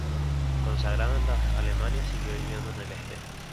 Consagrada en las dos Alemanias, siguió viviendo en el Este.